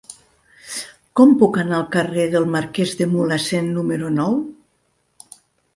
Com puc anar al carrer del Marquès de Mulhacén número nou?